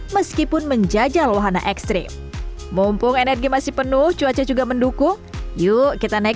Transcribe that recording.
meskipun menjajal wahana ekstrim mumpung energi masih penuh cuaca juga mendukung yuk kita naik